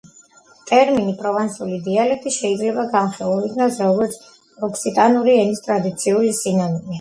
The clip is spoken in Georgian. ტერმინი პროვანსული დიალექტი შეიძლება განხილულ იქნას როგორც ოქსიტანური ენის ტრადიციული სინონიმი.